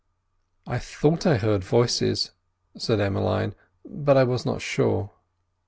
"I thought I heard voices," said Emmeline, "but I was not sure."